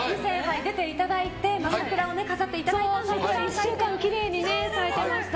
出ていただいて桜を飾っていただいたんですが１週間きれいに咲いてました。